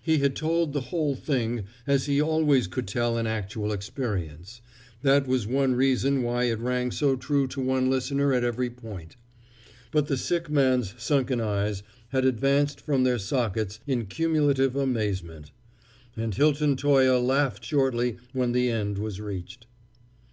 He had told the whole thing as he always could tell an actual experience; that was one reason why it rang so true to one listener at every point. But the sick man's sunken eyes had advanced from their sockets in cumulative amazement. And Hilton Toye laughed shortly when the end was reached.